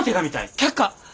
却下！